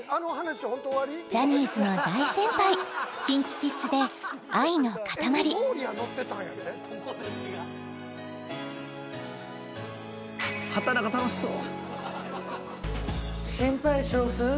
ジャニーズの大先輩ＫｉｎＫｉＫｉｄｓで「愛のかたまり」ありがとうありがとう！